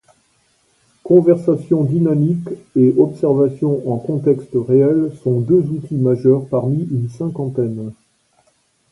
Conversations dynamiques et observations en contexte réel sont deux outils majeurs parmi une cinquantaine.